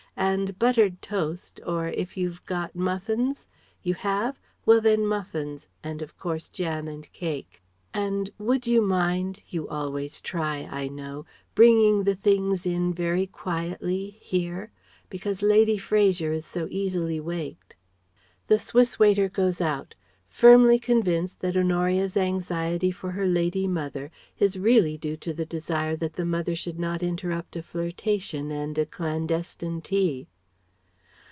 And buttered toast or if you've got muffins...? You have? Well, then muffins; and of course jam and cake. And would you mind you always try, I know bringing the things in very quietly here ? Because Lady Fraser is so easily waked..." (The Swiss waiter goes out, firmly convinced that Honoria's anxiety for her lady mother is really due to the desire that the mother should not interrupt a flirtation and a clandestine tea.)